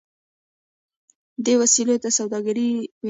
دې وسیلو ته سوداګر ویل کیدل.